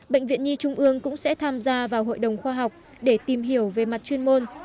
bệnh viện nhi trung ương cũng sẽ tham gia vào hội đồng khoa học để tìm hiểu về mặt chuyên môn